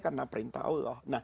karena perintah allah